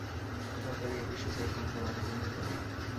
সরকারি অফিসসূচি এক ঘণ্টা বাড়ানো হতে পারে।